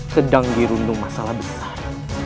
sedang dirundung masalah besar